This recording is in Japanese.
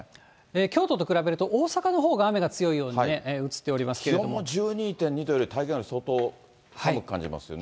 京都と比べると、大阪のほうが雨が強いように気温も１２．２度より、体感は相当、寒く感じますよね。